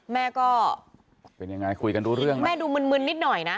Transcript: แม่ก็เป็นยังไงคุยกันรู้เรื่องไหมแม่ดูมึนนิดหน่อยนะ